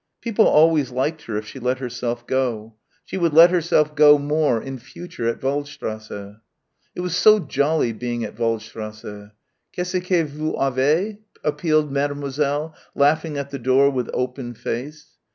People always liked her if she let herself go. She would let herself go more in future at Waldstrasse. It was so jolly being at Waldstrasse. "Qu'est ce que vous avez?" appealed Mademoiselle, laughing at the door with open face.